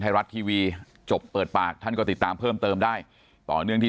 ไทยรัฐทีวีจบเปิดปากท่านก็ติดตามเพิ่มเติมได้ต่อเนื่องที่